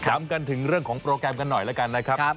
ย้ำกันถึงเรื่องของโปรแกรมกันหน่อยแล้วกันนะครับ